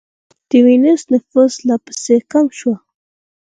د وینز نفوس لا پسې کم شو.